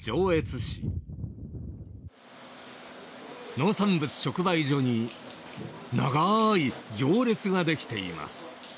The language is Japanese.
農産物直売所に長い行列ができています。